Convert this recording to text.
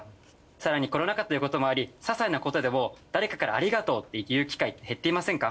更にコロナ禍ということもあり些細なことでも誰かからありがとうって言う機会って減っていませんか？